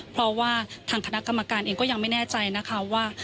เพราะว่าคกษก็ยังไม่แน่ใจว่า